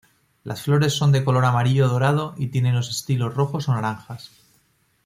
Las flores son de color amarillo dorado y tienen los estilos rojos o naranjas.